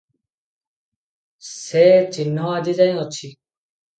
ସେ ଚିହ୍ନ ଆଜି ଯାଏ ଅଛି ।